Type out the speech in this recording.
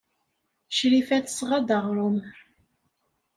Crifa tesɣa-d aɣrum.